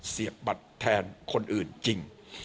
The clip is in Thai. เสียบบัตรแทนคนอื่นจริง